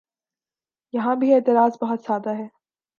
یہاں بھی اعتراض بہت سادہ ہے۔